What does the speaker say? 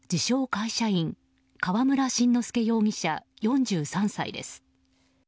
会社員河村真之助容疑者、４３歳です。